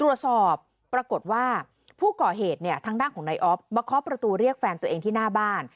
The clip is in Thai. ตรวจสอบปรากฏว่าผู้ก่อเหตุเนี่ยทางด้านของนายออฟมาเคาะประตูเรียกแฟนตัวเองที่หน้าบ้าน